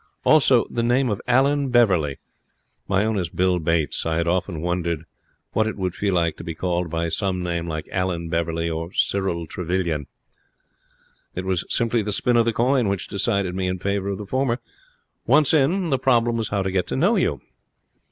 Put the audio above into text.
Also the name of Alan Beverley. My own is Bill Bates. I had often wondered what it would feel like to be called by some name like Alan Beverley or Cyril Trevelyan. It was simply the spin of the coin which decided me in favour of the former. Once in, the problem was how to get to know you.